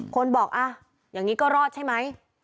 คนบอกอย่างนี้ก็รอดใช่ไหม